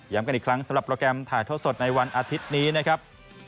กันอีกครั้งสำหรับโปรแกรมถ่ายทอดสดในวันอาทิตย์นี้นะครับ